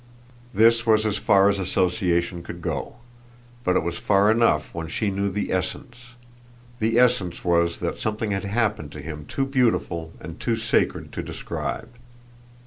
This was as far as association could go, but it was far enough when she knew the essence. The essence was that something had happened to him too beautiful and too sacred to describe.